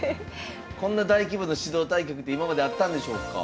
こんな大規模な指導対局って今まであったんでしょうか？